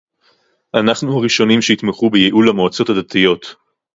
אנחנו הראשונים שיתמכו בייעול המועצות הדתיות